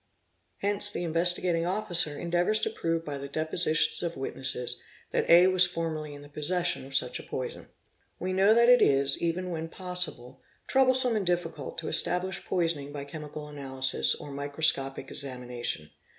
Hence the Investigating Officer endeavours to prove by the depositions of witnesses that A was formerly in the possession of such a poison. | We know that it is, even when possible, troublesome and difficult to establish poisoning by chemical analysis or microscopic examination.